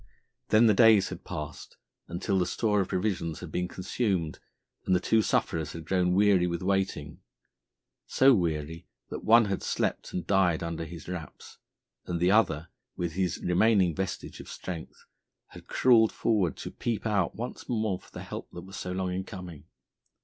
Then the days had passed until the store of provisions had been consumed and the two sufferers had grown weary with waiting, so weary that one had slept and died under his wraps, and the other, with his remaining vestige of strength, had crawled forward to peep out once more for the help that was so long in coming.